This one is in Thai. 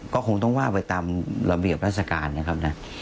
ก็คงต้องว่าไปตามระเบียบราชการนะครับนะ